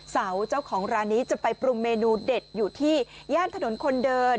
เสาเจ้าของร้านนี้จะไปปรุงเมนูเด็ดอยู่ที่ย่านถนนคนเดิน